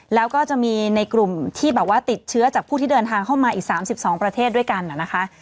แล้วก็จะมีในกลุ่มที่แบบว่าติดเชื้อจากผู้ที่เดินทางเข้ามาอีก๓๒ประเทศด้วยกันนะคะ